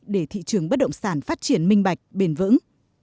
để thị trường bất động sản phát triển minh bạch bền vững